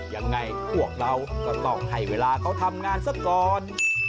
ยังไงพวกเราก็ต้องให้เวลาเขาทำงานซะก่อน